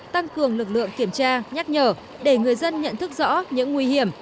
tăng cường lực lượng kiểm tra nhắc nhở để người dân nhận thức rõ những nguy hiểm